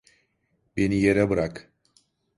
Beni yere bırak!